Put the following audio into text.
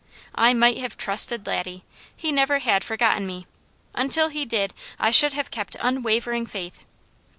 I might have trusted Laddie. He never had forgotten me; until he did, I should have kept unwavering faith.